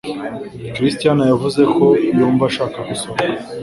christiana yavuze ko yumva ashaka gusohoka.